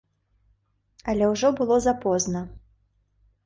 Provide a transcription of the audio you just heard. Але ўжо было запозна.